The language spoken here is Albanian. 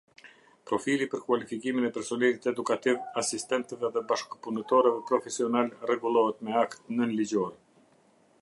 Profili për kualifikimin e personelit edukativ, asistentëve dhe bashkëpunëtorëve profesional rregullohet me akt nënligjor.